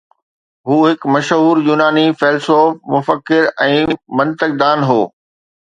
هُو هڪ مشهور يوناني فيلسوف، مفڪر ۽ منطق دان هو